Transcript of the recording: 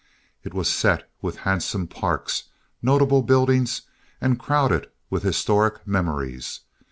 It was set with handsome parks, notable buildings, and crowded with historic memories.